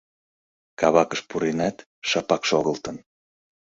Кабакыш пуренат, шыпак шогылтын.